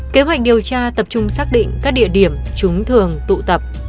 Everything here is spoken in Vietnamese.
kế hoạch điều tra tập trung xác định các địa điểm chúng thường tụ tập